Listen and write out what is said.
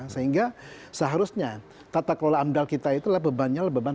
sehingga seharusnya tata kelola amdal kita itu lah bebannya